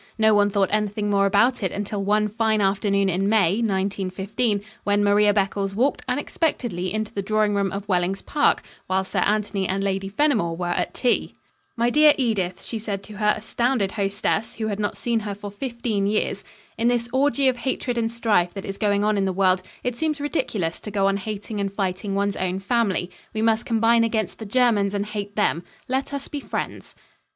No one thought anything more about it until one fine afternoon in May, 1915, when Maria Beccles walked unexpectedly into the drawing room of Wellings Park, while Sir Anthony and Lady Fenimore were at tea. "My dear Edith," she said to her astounded hostess, who had not seen her for fifteen years. "In this orgy of hatred and strife that is going on in the world, it seems ridiculous to go on hating and fighting one's own family. We must combine against the Germans and hate them. Let us be friends."